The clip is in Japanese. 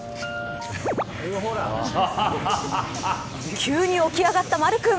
急に起き上がった、まる君。